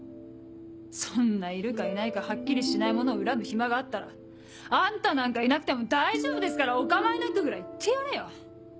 そんないるかいないかはっきりしないものを恨む暇があったら「あんたなんかいなくても大丈夫ですからお構いなく」ぐらい言ってやれよ。